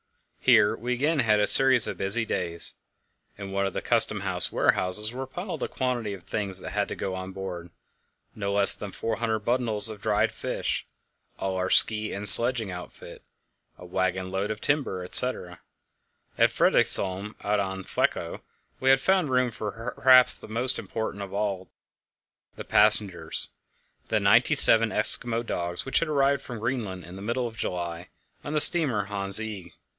Here we again had a series of busy days. In one of the Custom house warehouses were piled a quantity of things that had to go on board: no less than 400 bundles of dried fish, all our ski and sledging outfit, a waggon load of timber, etc. At Fredriksholm, out on Flekkerö, we had found room for perhaps the most important of all the passengers, the ninety seven Eskimo dogs, which had arrived from Greenland in the middle of July on the steamer Hans Egede.